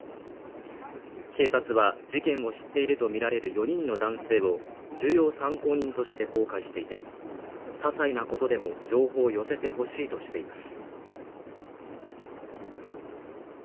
警察は、事件を知っているとみられる４人の男性を重要参考人として公開していて、些細なことでも情報を寄せてほしいとしています。